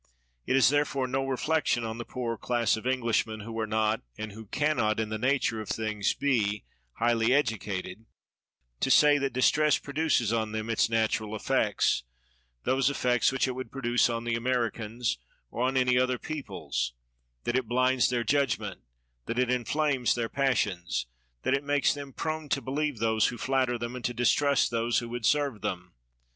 It is therefore no reflection on the poorer class of Englishmen, who are not, and who can not in the nature of things be, highly educated, to say that distress produces on them its natural effects, those effects which it would produce on the Americans, or on any other people; that it blinds their judg ment, that it inflames their passions, that it makes them prone to believe those who flatter them, and to distrust those who would serve them.